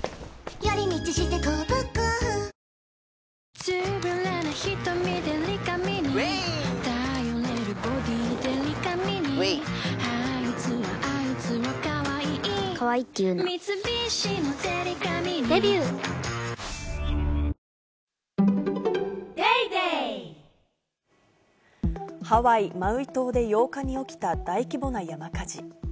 夏が香るアイスティーハワイ・マウイ島で８日に起きた大規模な山火事。